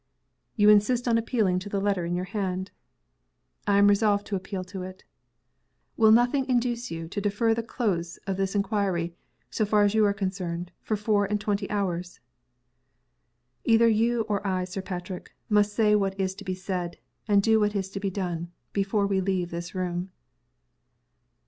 "You insist on appealing to the letter in your hand?" "I am resolved to appeal to it." "Will nothing induce you to defer the close of this inquiry so far as you are concerned for four and twenty hours?" "Either you or I, Sir Patrick, must say what is to be said, and do what is to be done, before we leave this room."